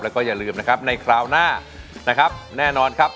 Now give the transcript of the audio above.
แล้วก็อย่าลืมนะครับในคราวหน้านะครับแน่นอนครับ